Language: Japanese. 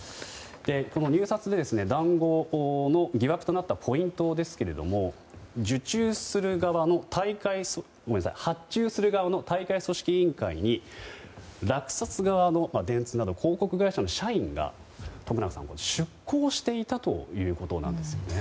この入札で談合の疑惑となったポイントですが発注する側の大会組織委員会に落札側の電通など広告会社の社員が出向していたということなんですね。